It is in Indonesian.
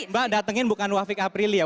mbak datengin bukan wafik aprilia